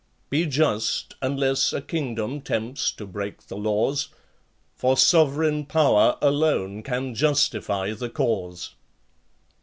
Be just, unless a kingdom tempts to break the laws, For sovereign power alone can justify the cause.